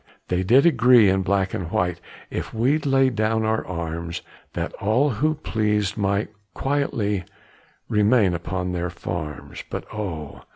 They did agree in black and white, If we'd lay down our arms, That all who pleased might quietly Remain upon their farms. But oh!